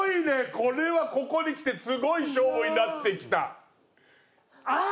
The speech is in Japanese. これはここにきてすごい勝負になってきた。